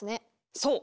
そう！